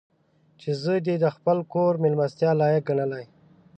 چې زه دې د خپل کور مېلمستیا لایق ګڼلی.